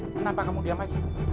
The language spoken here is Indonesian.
kenapa kamu diam aja